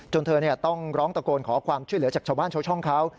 เธอต้องร้องตะโกนขอความช่วยเหลือจากชาวบ้านชาวช่องเขา